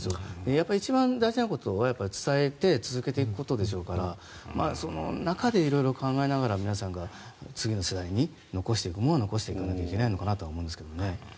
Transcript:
やっぱり一番大事なことは伝えて続けていくことでしょうからその中で色々考えながら次の世代に残していくものは残していかなきゃいけないのではと思いますが。